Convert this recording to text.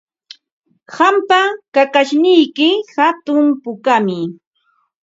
Qampa kakashniyki hatun pukami.